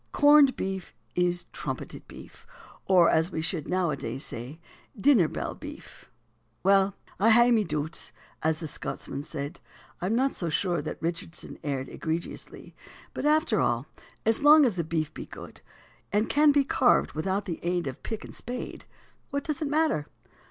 Corned beef is trumpeted beef, or as we should nowadays say, dinner bell beef." Well "I hae ma doots," as the Scotsman said. I am not so sure that Richardson erred egregiously. But after all, as long as the beef be good, and can be carved without the aid of pick and spade, what does it matter?